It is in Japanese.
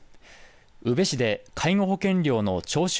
宇部市で介護保険料の徴収